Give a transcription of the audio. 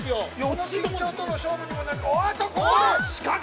緊張との勝負にもなります。